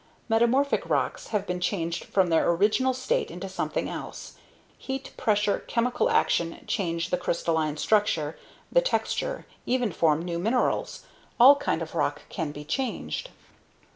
Metamorphic rocks have been changed from their original state into something else. Heat, pressure, chemical action change the crystalline structure, the texture, even form new minerals. All kinds of rock can be changed.